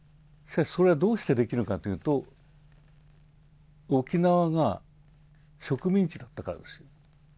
それは、どうしてできるかというと沖縄が植民地だったからですよ。